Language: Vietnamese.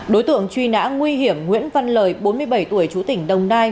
đối tượng truy nã nguy hiểm nguyễn văn lời bốn mươi bảy tuổi chú tỉnh đồng nai